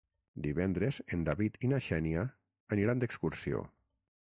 Divendres en David i na Xènia aniran d'excursió.